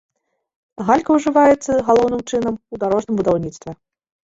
Галька ўжываецца галоўным чынам у дарожным будаўніцтве.